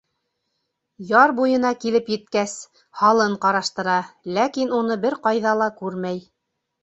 Яр буйына килеп еткәс, һалын ҡараштыра, ләкин уны бер ҡайҙа ла күрмәй.